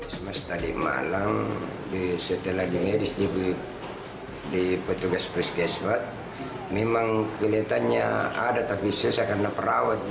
semes tadi malam setelah di medis di petugas puskesmas memang kelihatannya ada tapi selesai karena perawat